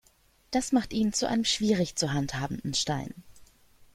Das macht ihn zu einem schwierig zu handhabenden Stein.